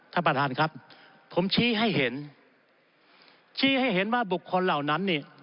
ท่านประธานครับผมชี้ให้เห็นชี้ให้เห็นว่าบุคคลเหล่านั้นเนี่ย